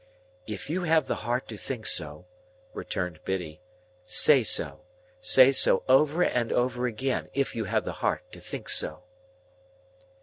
"If you have the heart to think so," returned Biddy, "say so. Say so over and over again, if you have the heart to think so."